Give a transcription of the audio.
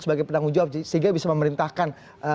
sebagai penanggung jawab sehingga bisa memerintahkan